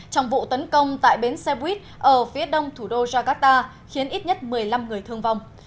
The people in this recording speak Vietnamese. trong vụ tấn công tại bến xe buýt ở phía đông thủ đô jakarta khiến ít nhất một mươi năm người thương vong